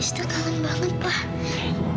sita kangen sama bapak